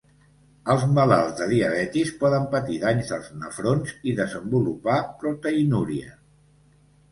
Els malalts de diabetis poden patir danys als nefrons i desenvolupar proteïnúria.